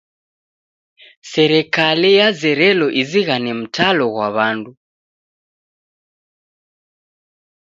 Serikale yazerelo izighane mtalo ghwa w'andu.